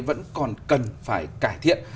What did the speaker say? vẫn còn cần phải cải thiện